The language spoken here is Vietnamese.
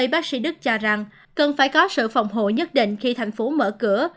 bảy bác sĩ đức cho rằng cần phải có sự phòng hộ nhất định khi thành phố mở cửa